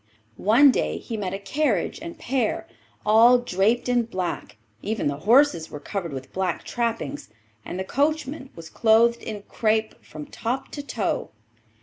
One day he met a carriage and pair, all draped in black; even the horses were covered with black trappings, and the coachman was clothed in crape from top to toe.